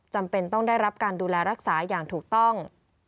จำเป็นต้องได้รับการดูแลรักษาอย่างถูกต้อง